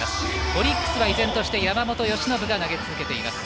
オリックスは依然として山本由伸が投げ続けています。